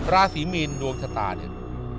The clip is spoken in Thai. ราศีมีนดวงชะตาเนี่ย